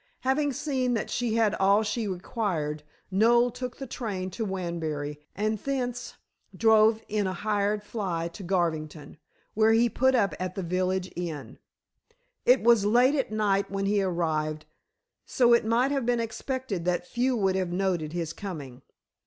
Having seen that she had all she required, Noel took the train to Wanbury, and thence drove in a hired fly to Garvington, where he put up at the village inn. It was late at night when he arrived, so it might have been expected that few would have noted his coming.